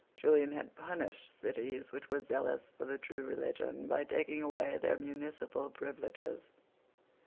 Julian had punished cities which were zealous for the true religion, by taking away their municipal privileges.